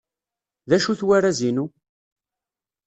D acu-t warraz-inu?